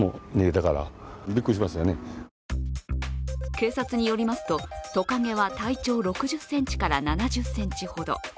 警察によりますと、トカゲは体長６０ｃｍから７０ｃｍほど。